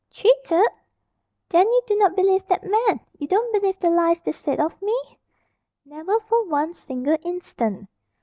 "Cheated!" "Then you do not believe that man? You don't believe the lies they said of me?" "Never for one single instant."